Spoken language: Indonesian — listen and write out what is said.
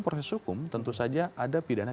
proses hukum tentu saja ada pidana